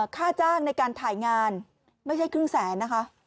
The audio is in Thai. ค่าจ้างในการถ่ายงานไม่ใช่ครึ่งแสนนะคะ